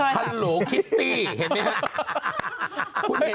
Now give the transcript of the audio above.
ฮัลโหลคิตตี้เห็นไหมครับ